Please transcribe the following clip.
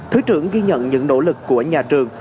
thứ trưởng ghi nhận những nỗ lực của nhà trường